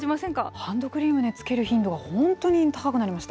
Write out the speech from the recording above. ハンドクリームつける頻度が本当に高くなりました。